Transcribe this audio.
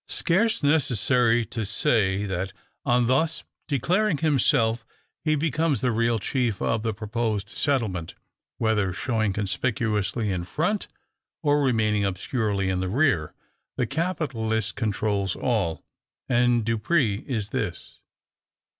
Scarce necessary to say, that, on thus declaring himself, he becomes the real chief of the proposed settlement. Whether showing conspicuously in front, or remaining obscurely in the rear, the capitalist controls all; and Dupre is this.